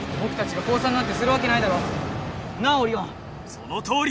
そのとおり！